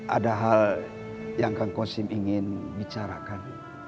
ada hal yang kang kosim ingin bicarakan